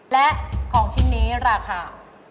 และของชิ้นนี้ราคา